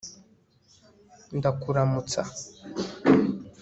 ndakuramutsa